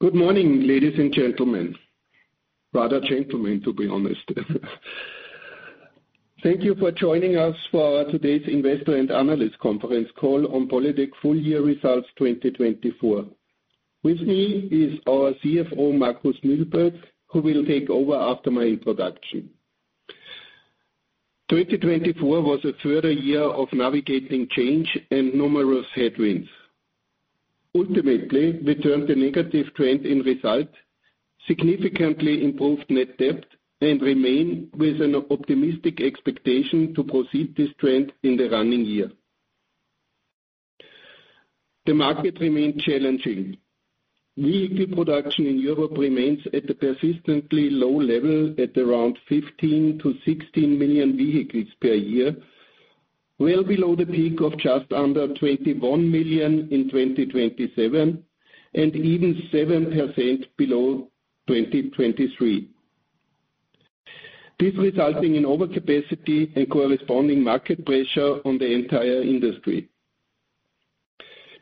Good morning, ladies and gentlemen. Rather gentlemen, to be honest. Thank you for joining us for today's investor and analyst conference call on Polytec full-year results 2024. With me is our CFO, Markus Mühlböck, who will take over after my introduction. 2024 was a further year of navigating change and numerous headwinds. Ultimately, we turned a negative trend in result, significantly improved net debt, and remain with an optimistic expectation to proceed this trend in the running year. The market remained challenging. Vehicle production in Europe remains at a persistently low level at around 15 million-16 million vehicles per year, well below the peak of just under 21 million in [2017] and even 7% below 2023. This resulted in overcapacity and corresponding market pressure on the entire industry.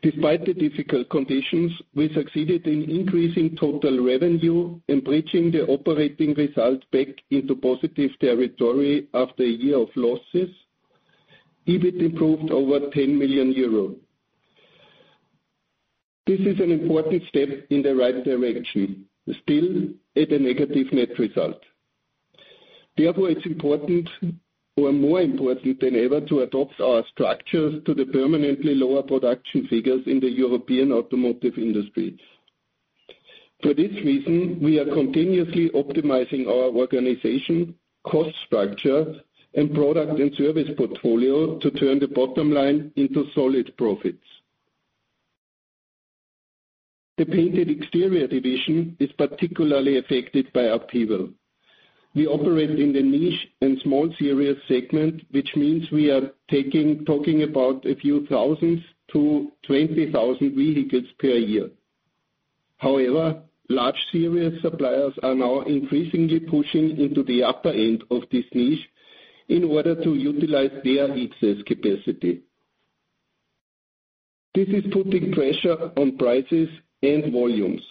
Despite the difficult conditions, we succeeded in increasing total revenue and bridging the operating result back into positive territory after a year of losses, even improved over 10 million euros. This is an important step in the right direction, still at a negative net result. Therefore, it's important, or more important than ever, to adapt our structures to the permanently lower production figures in the European automotive industry. For this reason, we are continuously optimizing our organization, cost structure, and product and service portfolio to turn the bottom line into solid profits. The Painted Exterior division is particularly affected by upheaval. We operate in the niche and small-series segment, which means we are talking about a few thousand to 20,000 vehicles per year. However, large-series suppliers are now increasingly pushing into the upper end of this niche in order to utilize their excess capacity. This is putting pressure on prices and volumes.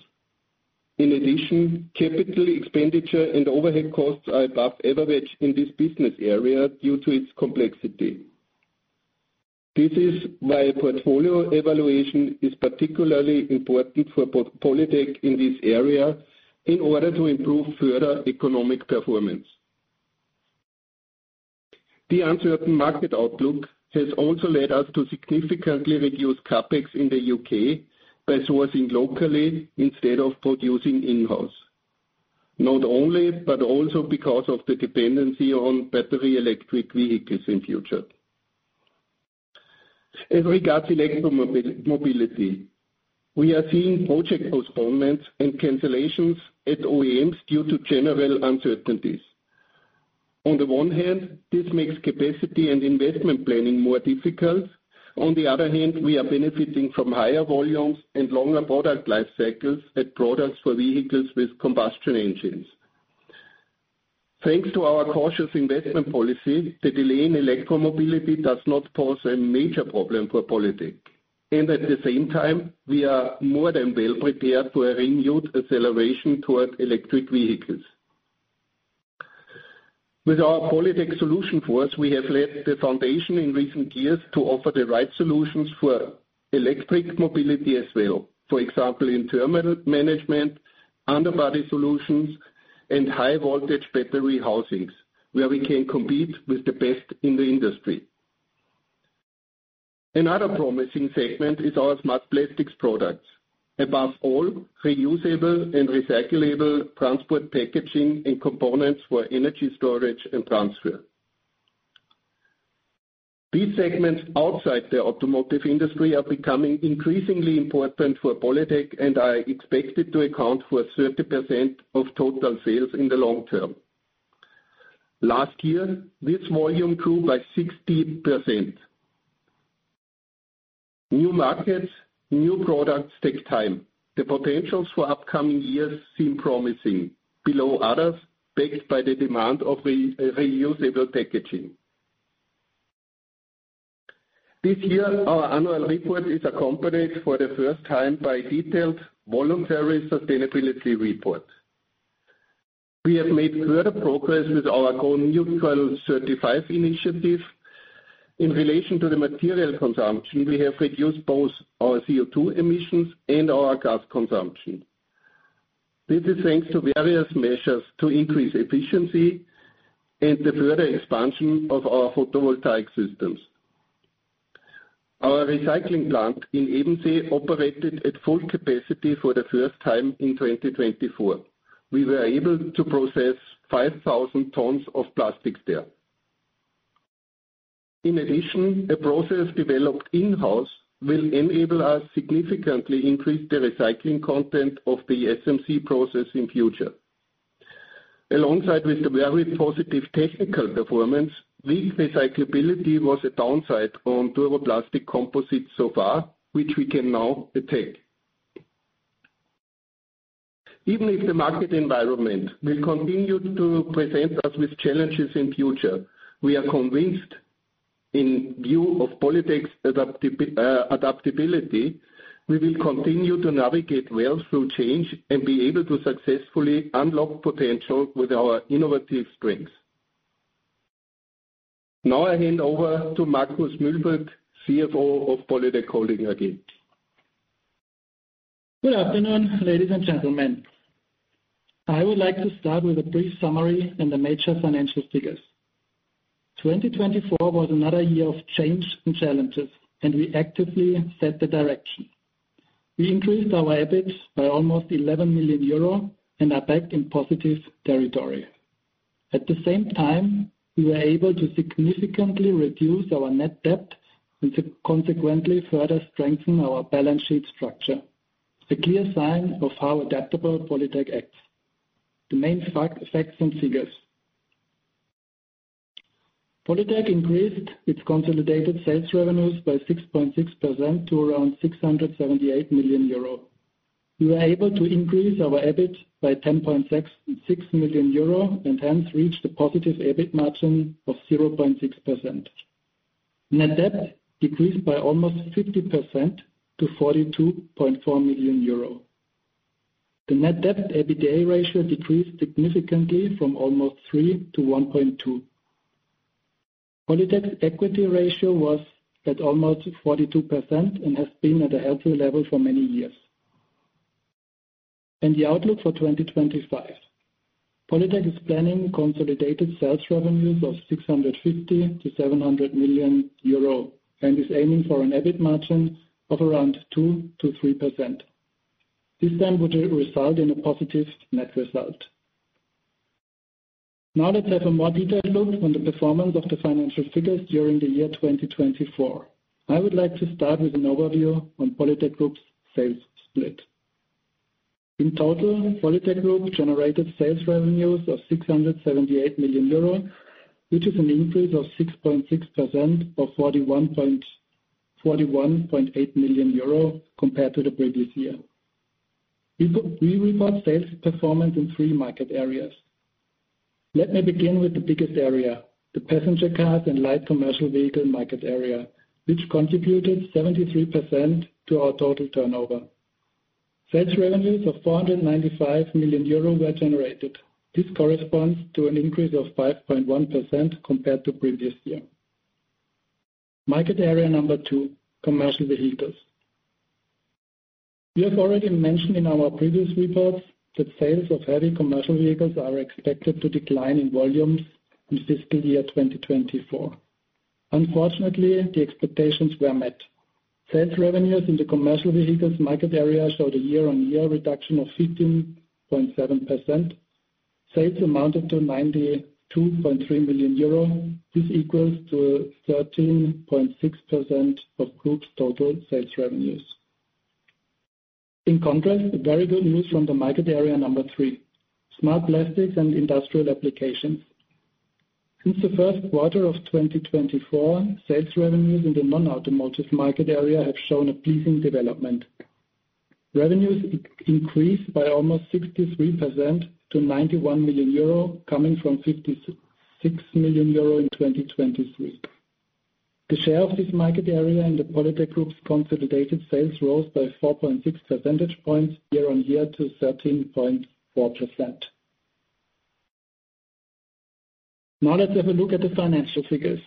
In addition, capital expenditure and overhead costs are above average in this business area due to its complexity. This is why a portfolio evaluation is particularly important for Polytec in this area in order to improve further economic performance. The uncertain market outlook has also led us to significantly reduce CAPEX in the U.K. by sourcing locally instead of producing in-house. Not only, but also because of the dependency on battery electric vehicles in the future. As regards electromobility, we are seeing project postponements and cancellations at OEMs due to general uncertainties. On the one hand, this makes capacity and investment planning more difficult. On the other hand, we are benefiting from higher volumes and longer product life cycles at products for vehicles with combustion engines. Thanks to our cautious investment policy, the delay in electromobility does not pose a major problem for Polytec. At the same time, we are more than well prepared for a renewed acceleration toward electric vehicles. With our Polytec Solution Force, we have laid the foundation in recent years to offer the right solutions for electric mobility as well, for example, in thermal management, underbody solutions, and high-voltage battery housings, where we can compete with the best in the industry. Another promising segment is our Smart Plastics products. Above all, reusable and recyclable transport packaging and components for energy storage and transfer. These segments outside the automotive industry are becoming increasingly important for Polytec and are expected to account for 30% of total sales in the long term. Last year, this volume grew by 60%. New markets, new products take time. The potentials for upcoming years seem promising, below others, backed by the demand of reusable packaging. This year, our annual report is accompanied for the first time by a detailed voluntary sustainability report. We have made further progress with our Go Neutral certified initiative. In relation to the material consumption, we have reduced both our CO2 emissions and our gas consumption. This is thanks to various measures to increase efficiency and the further expansion of our photovoltaic systems. Our recycling plant in Ebensee operated at full capacity for the first time in 2024. We were able to process 5,000 tons of plastic there. In addition, a process developed in-house will enable us to significantly increase the recycling content of the SMC process in the future. Alongside with the very positive technical performance, weak recyclability was a downside on durable plastic composites so far, which we can now attack. Even if the market environment will continue to present us with challenges in the future, we are convinced, in view of Polytec's adaptability, we will continue to navigate well through change and be able to successfully unlock potential with our innovative strengths. Now I hand over to Markus Mühlböck, CFO of Polytec Holding AG. Good afternoon, ladies and gentlemen. I would like to start with a brief summary and the major financial figures. 2024 was another year of change and challenges, and we actively set the direction. We increased our EBIT by almost 11 million euro and are back in positive territory. At the same time, we were able to significantly reduce our net debt and consequently further strengthen our balance sheet structure. A clear sign of how adaptable Polytec acts. The main facts and figures. Polytec increased its consolidated sales revenues by 6.6% to around 678 million euro. We were able to increase our EBIT by 10.6 million euro and hence reached a positive EBIT margin of 0.6%. Net debt decreased by almost 50% to 42.4 million euro. The net debt/EBITDA ratio decreased significantly from almost 3 to 1.2. Polytec's equity ratio was at almost 42% and has been at a healthy level for many years. The outlook for 2025. Polytec is planning consolidated sales revenues of 650 million-700 million euro and is aiming for an EBIT margin of around 2%-3%. This then would result in a positive net result. Now let's have a more detailed look on the performance of the financial figures during the year 2024. I would like to start with an overview on Polytec Group's sales split. In total, Polytec Group generated sales revenues of 678 million euro, which is an increase of 6.6% or 41.8 million euro compared to the previous year. We report sales performance in three market areas. Let me begin with the biggest area, the Passenger Cars and Light Commercial Vehicle market area, which contributed 73% to our total turnover. Sales revenues of 495 million euro were generated. This corresponds to an increase of 5.1% compared to the previous year. Market area number two, Commercial Vehicles. We have already mentioned in our previous reports that sales of heavy Commercial Vehicles are expected to decline in volumes in fiscal year 2024. Unfortunately, the expectations were met. Sales revenues in the Commercial Vehicles market area showed a year-on-year reduction of 15.7%. Sales amounted to 92.3 million euro, which equals 13.6% of the group's total sales revenues. In contrast, very good news from the market area number three, Smart Plastics and Industrial Applications. Since the first quarter of 2024, sales revenues in the non-automotive market area have shown a pleasing development. Revenues increased by almost 63% to 91 million euro, coming from 56 million euro in 2023. The share of this market area in the Polytec Group's consolidated sales rose by 4.6 percentage points year-on-year to 13.4%. Now let's have a look at the financial figures.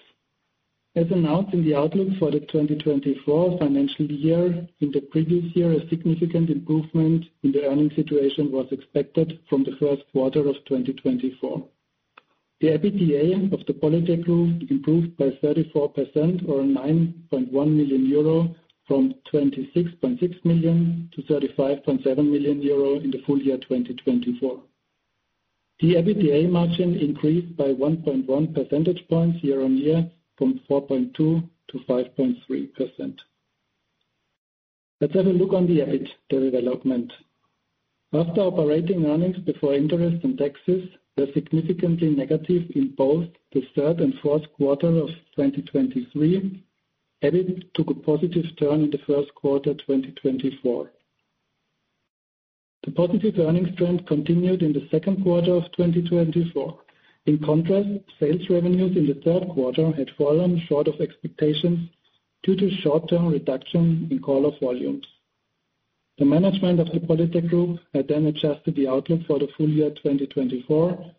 As announced in the outlook for the 2024 financial year, in the previous year, a significant improvement in the earnings situation was expected from the first quarter of 2024. The EBITDA of the Polytec Group improved by 34%, or 9.1 million euro, from 26.6 million to 35.7 million euro in the full year 2024. The EBITDA margin increased by 1.1 percentage points year-on-year, from 4.2% to 5.3%. Let's have a look on the EBIT development. After operating earnings before interest and taxes were significantly negative in both the third and fourth quarter of 2023, EBIT took a positive turn in the first quarter 2024. The positive earnings trend continued in the second quarter of 2024. In contrast, sales revenues in the third quarter had fallen short of expectations due to short-term reduction in call-off volumes. The management of the Polytec Group had then adjusted the outlook for the full year 2024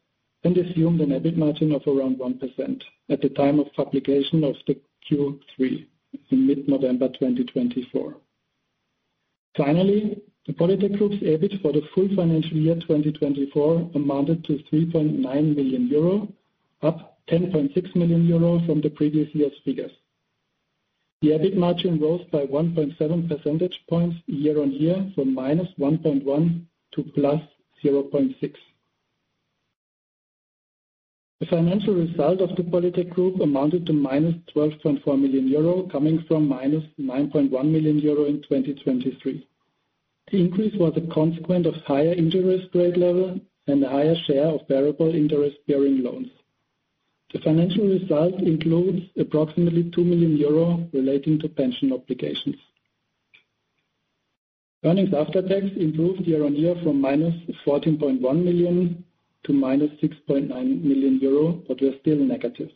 and assumed an EBIT margin of around 1% at the time of publication of the Q3 in mid-November 2024. Finally, the Polytec Group's EBIT for the full financial year 2024 amounted to 3.9 million euro, up 10.6 million euro from the previous year's figures. The EBIT margin rose by 1.7 percentage points year-on-year, from minus 1.1 to plus 0.6. The financial result of the Polytec Group amounted to minus 12.4 million euro, coming from minus 9.1 million euro in 2023. The increase was a consequent of higher interest rate level and a higher share of variable interest-bearing loans. The financial result includes approximately 2 million euros relating to pension obligations. Earnings after tax improved year-on-year from minus 14.1 million to minus 6.9 million euro, but were still negative.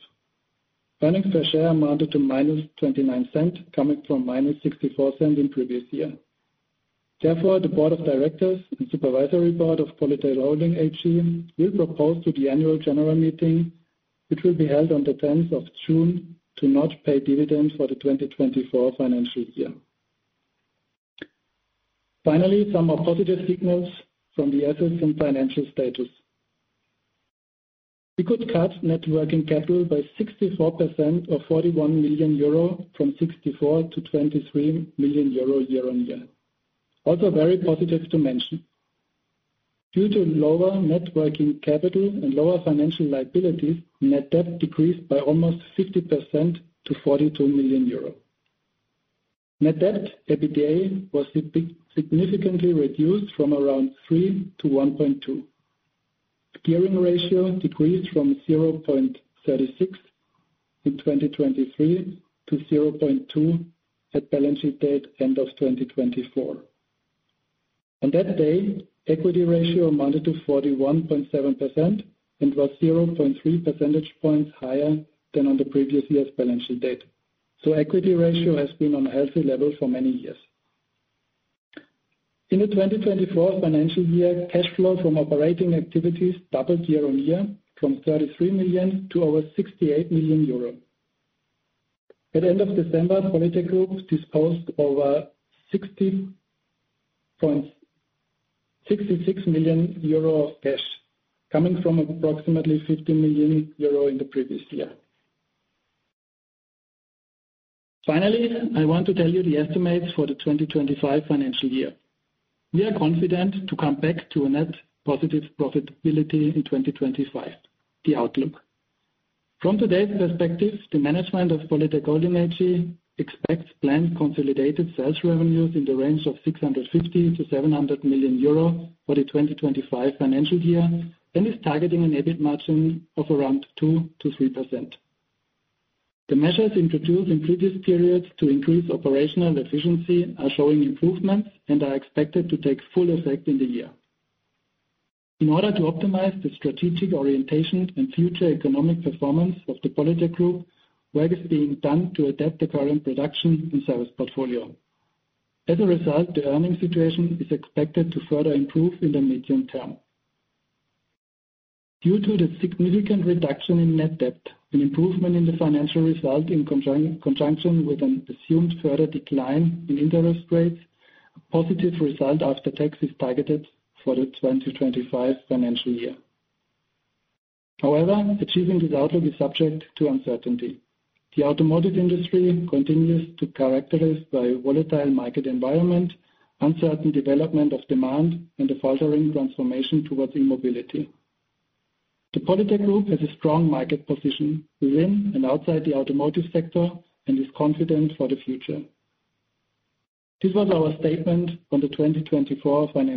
Earnings per share amounted to minus 0.29, coming from minus 0.64 in previous year. Therefore, the Board of Directors and Supervisory Board of Polytec Holding AG will propose to the Annual General Meeting, which will be held on the 10th of June, to not pay dividends for the 2024 financial year. Finally, some more positive signals from the assets and financial status. We could cut net working capital by 64% or 41 million euro from 64 million to 23 million euro year-on-year. Also very positive to mention. Due to lower net working capital and lower financial liabilities, net debt decreased by almost 50% to 42 million euros. Net debt/EBITDA was significantly reduced from around 3 to 1.2. The gearing ratio decreased from 0.36 in 2023 to 0.2 at balance sheet date end of 2024. On that day, equity ratio amounted to 41.7% and was 0.3 percentage points higher than on the previous year's balance sheet date. Equity ratio has been on a healthy level for many years. In the 2024 financial year, cash flow from operating activities doubled year-on-year from 33 million to over 68 million euro. At the end of December, Polytec Group disposed of over 66 million euro of cash, coming from approximately 50 million euro in the previous year. Finally, I want to tell you the estimates for the 2025 financial year. We are confident to come back to a net positive profitability in 2025. The outlook. From today's perspective, the management of Polytec Holding AG expects planned consolidated sales revenues in the range of 650-700 million euro for the 2025 financial year and is targeting an EBIT margin of around 2-3%. The measures introduced in previous periods to increase operational efficiency are showing improvements and are expected to take full effect in the year. In order to optimize the strategic orientation and future economic performance of the Polytec Group, work is being done to adapt the current production and service portfolio. As a result, the earnings situation is expected to further improve in the medium term. Due to the significant reduction in net debt and improvement in the financial result in conjunction with an assumed further decline in interest rates, a positive result after tax is targeted for the 2025 financial year. However, achieving this outlook is subject to uncertainty. The automotive industry continues to be characterized by a volatile market environment, uncertain development of demand, and a faltering transformation towards electromobility. The Polytec Group has a strong market position within and outside the automotive sector and is confident for the future. This was our statement on the 2024 financial.